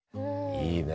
いいね。